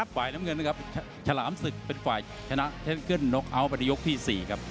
ฝ่ายน้ำเงินครับชะลามสึกเป็นฝ่ายชนะเทคเซ็นเกิ้ลน็อคอัลประดายกที่สี่ครับ